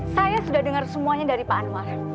saya sudah dengar semuanya dari pak anwar